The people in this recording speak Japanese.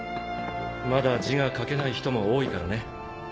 まだ字が書けない人も多いからね。